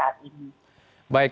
baik kalau ada yang ingin menanyakan